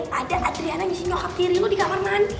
sumpah tadi gue liat ada adriana ngisi nyokap kirilu di kamar mandi